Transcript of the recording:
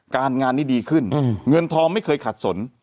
การงานนี้ดีขึ้นเงินทองไม่เคยขาดสน